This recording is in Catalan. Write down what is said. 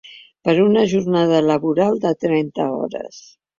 Per una jornada laboral de trenta hores!